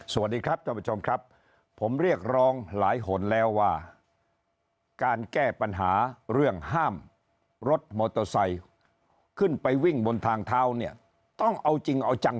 สวัสดีครับท่านผู้ชมครับผมเรียกร้องหลายคนแล้วว่าการแก้ปัญหาเรื่องห้ามรถมอเตอร์ไซค์ขึ้นไปวิ่งบนทางเท้าเนี่ยต้องเอาจริงเอาจัง